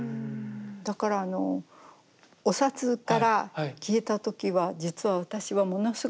だからあのお札から消えた時は実は私はものすごくショックでした。